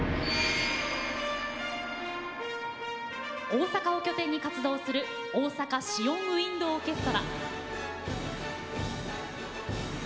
大阪を拠点に活動するオオサカ・シオン・ウインド・オーケストラ。